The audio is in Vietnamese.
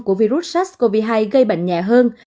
của virus sars cov hai gây bệnh nhẹ hơn